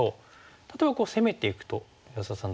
例えば攻めていくと安田さん